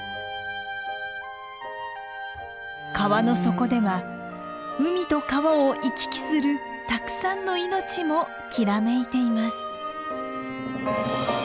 川の底では海と川を行き来するたくさんの命もきらめいています。